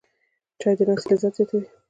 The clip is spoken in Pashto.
چای د ناستې لذت زیاتوي